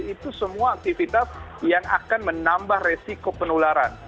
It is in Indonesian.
itu semua aktivitas yang akan menambah resiko penularan